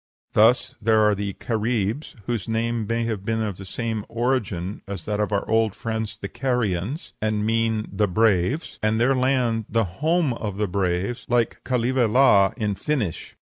Thus there are the Caribs, whose name may have the same origin as that of our old friends the Carians, and mean the Braves, and their land the home of the Braves, like Kaleva la, in Finnish.